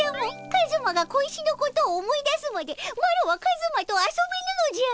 カズマが小石のことを思い出すまでマロはカズマと遊べぬのじゃ！